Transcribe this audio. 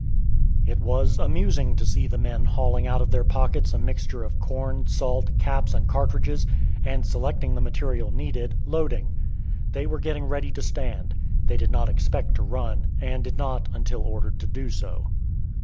It was amusing to see the men hauling out of their pockets a mixture of corn, salt, caps, and cartridges, and, selecting the material needed, loading. They were getting ready to stand. They did not expect to run, and did not until ordered to do so.